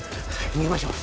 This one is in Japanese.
逃げましょう。